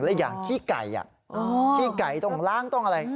แล้วอย่างขี้ไก่อ่ะขี้ไก่ตรงล่างตรงอะไร